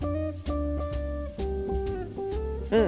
うん！